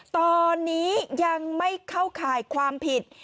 ตอนนี้ยังไม่เข้าข่ายความผิด